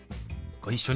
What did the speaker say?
ご一緒に。